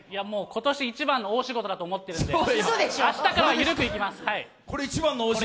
今年一番の大仕事だと思っているので、明日から緩く行きます。